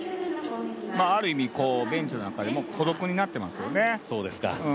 ある意味、ベンチなんかでも孤独になってますよね。